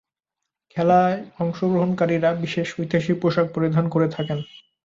খেলার অংশগ্রহণকারীরা বিশেষ ঐতিহাসিক পোশাক পরিধান করে থাকেন।